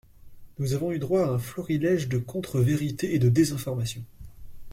Nous avons eu droit à un florilège de contre-vérités et de désinformation.